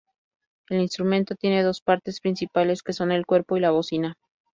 El instrumento tiene dos partes principales, que son el cuerpo y la bocina.